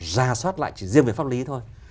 ra soát lại chỉ riêng về pháp lý thôi